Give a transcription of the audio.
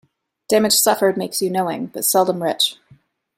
Damage suffered makes you knowing, but seldom rich.